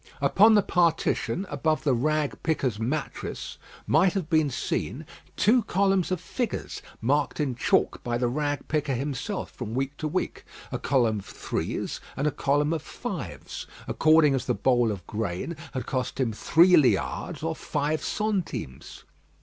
Upon the partition, above the rag picker's mattress, might have been seen two columns of figures, marked in chalk by the rag picker himself from week to week a column of threes, and a column of fives according as the bowl of grain had cost him three liards or five centimes.